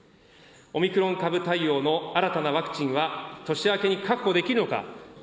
オミクロン株対応の新たなワクチンは年明けに確保できるのか。